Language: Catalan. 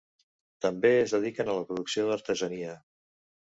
També es dediquen a la producció d'artesania.